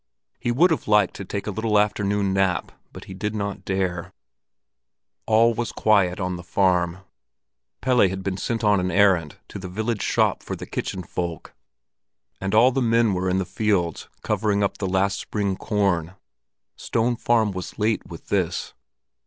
He would have liked to take a little afternoon nap, but did not dare. All was quiet on the farm. Pelle had been sent on an errand to the village shop for the kitchen folk, and all the men were in the fields covering up the last spring corn. Stone Farm was late with this.